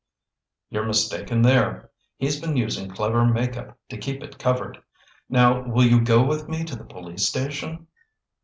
"You're mistaken there. He's been using clever make up to keep it covered. Now will you go with me to the police station?"